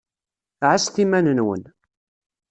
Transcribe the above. Ɛasset iman-nwen.